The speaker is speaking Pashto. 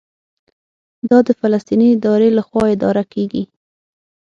دا د فلسطیني ادارې لخوا اداره کېږي.